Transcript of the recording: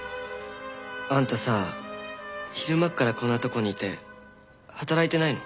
あんたさ昼間っからこんなとこにいて働いてないの？